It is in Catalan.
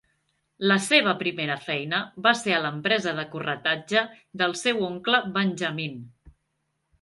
La seva primera feina va ser a l'empresa de corretatge del seu oncle Benjamin.